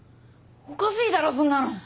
おかしいだろそんなの。